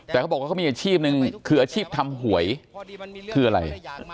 แต่เขาบอกว่าเขามีอาชีพหนึ่งคืออาชีพทำหวยคืออะไร